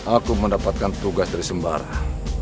aku mendapatkan tugas dari sembarang